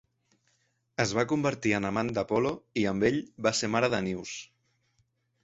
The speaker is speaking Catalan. Es va convertir en amant d'Apolo i, amb ell, va ser mare d'Anius.